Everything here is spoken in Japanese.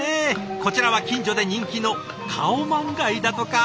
こちらは近所で人気のカオマンガイだとか。